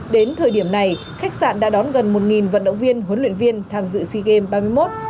đến thời điểm này khách sạn đã đón gần một vận động viên huấn luyện viên tham dự sea games ba mươi một